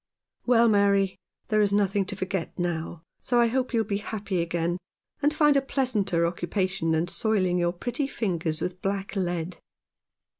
" Well, Mary, there is nothing to forget now, so I hope you will be happy again, and find a pleasanter occupation than soiling your pretty fingers with black lead."